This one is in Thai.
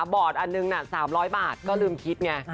อันหนึ่งน่ะ๓๐๐บาทก็ลืมคิดไง